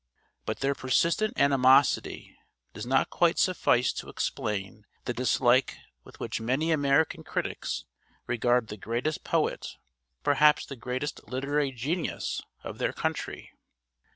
But their persistent animosity does not quite suffice to explain the dislike with which many American critics regard the greatest poet, perhaps the greatest literary genius, of their country.